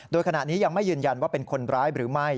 โดยขณะนี้ยังไม่ยืนยันว่าเป็นคนร้ายหรือไม่